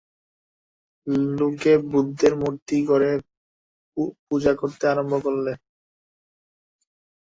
লোকে বুদ্ধের মূর্তি গড়ে পূজা করতে আরম্ভ করলে।